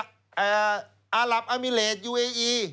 อาหลับอามิเลสยูเออี